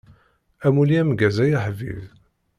Amulli ameggaz ay aḥbib.